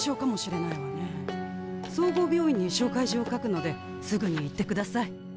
総合病院に紹介状を書くのですぐに行って下さい。